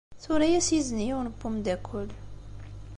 Tura-as izen i yiwen n umeddakel.